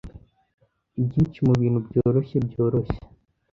Ibyinshi mubintu byoroshye, byoroshye,